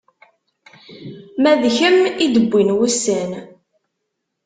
Ma d kemm i d-wwin wussan.